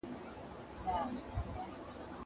دا شګه له هغه پاکه ده.